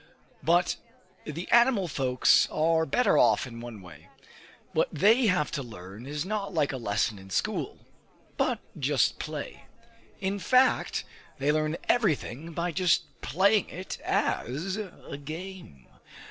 But the animal folks are better off in one way: what they have to learn is not like a lesson in school, but just play. In fact they learn everything by just playing it as a game!